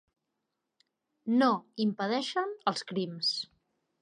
No impedeixen els crims.